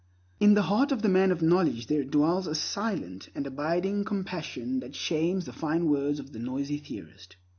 In the heart of the man of knowledge there dwells a silent and abiding compassion that shames the fine words of the noisy theorist.